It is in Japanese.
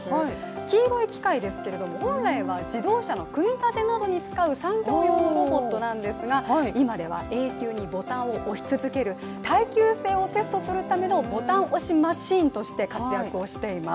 黄色い機械ですけれども本来は自動車の組み立てなどに使う産業用のロボットなんですが今では永久にボタンを押し続ける耐久性をテストするためのボタン押しマシンとして活躍をしています。